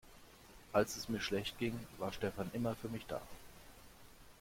Als es mir schlecht ging, war Stefan immer für mich da.